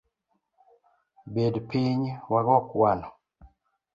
Bed piny wago kwano.